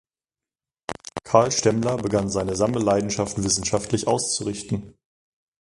Carl Stemmler begann seine Sammelleidenschaft wissenschaftlich auszurichten.